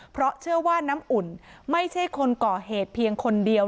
เพราะเชื่อว่าน้ำอุ่นไม่ใช่คนก่อเหตุเพียงคนเดียว